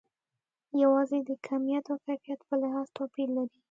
یوازې د کمیت او کیفیت په لحاظ توپیر لري.